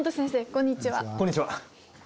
こんにちは。